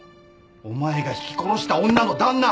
お前がひき殺した女の旦那